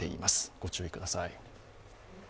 ご注意ください。